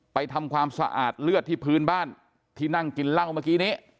ทำความสะอาดเลือดที่พื้นบ้านที่นั่งกินเหล้าเมื่อกี้นี้